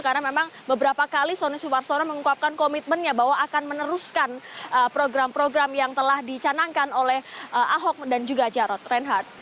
karena memang beberapa kali sony sumarsono mengungkapkan komitmennya bahwa akan meneruskan program program yang telah dicanangkan oleh ahok dan juga jaro renhat